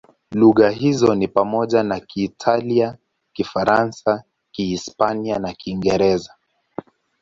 Lugha hizo ni pamoja na Kiitalia, Kifaransa, Kihispania na Kiingereza.